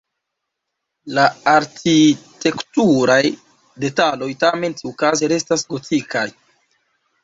La arkitekturaj detaloj tamen tiukaze restas gotikaj.